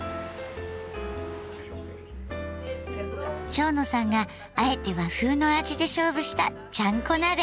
蝶野さんがあえて和風の味で勝負したちゃんこ鍋。